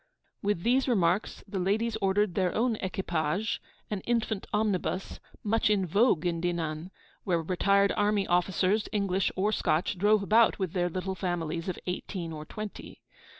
With these remarks, the ladies ordered their own equipage, an infant omnibus, much in vogue in Dinan, where retired army officers, English or Scotch, drive about with their little families of eighteen or twenty.